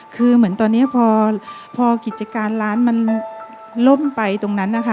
คือเหมือนตอนนี้พอกิจการร้านมันล่มไปตรงนั้นนะคะ